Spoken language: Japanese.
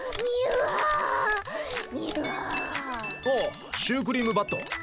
おおシュークリーム・バット。